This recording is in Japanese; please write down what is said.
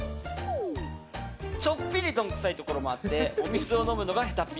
ちょっぴりどんくさいところもあってお水を飲むのがへたっぴ。